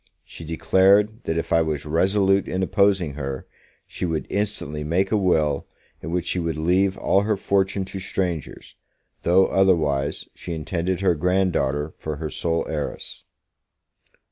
She declared, that if I was resolute in opposing her, she would instantly make a will, in which she would leave all her fortune to strangers, though, otherwise, she intended her grand daughter for her sole heiress.